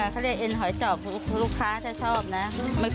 เขาเรียกเอ็นหอยจอกลูกค้าจะชอบนะไม่ค่อยมีชิ้นมาก